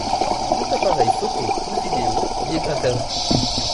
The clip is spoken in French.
Tout appareil photo ou vidéo y est interdit.